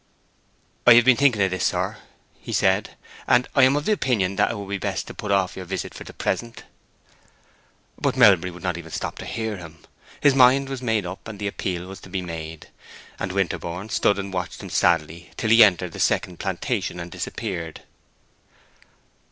"I have been thinking of this, sir," he said, "and I am of opinion that it would be best to put off your visit for the present." But Melbury would not even stop to hear him. His mind was made up, the appeal was to be made; and Winterborne stood and watched him sadly till he entered the second plantation and disappeared.